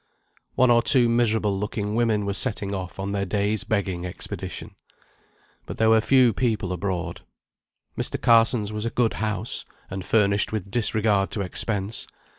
One or two miserable looking women were setting off on their day's begging expedition. But there were few people abroad. Mr. Carson's was a good house, and furnished with disregard to expense.